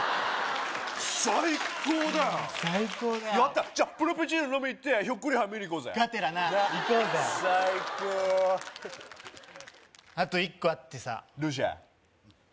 最高だよ最高だよやったじゃあプラペチーノ飲み行ってひょっこりはん見に行こうぜがてらな行こうぜなっ最高あと１個あってさどうした？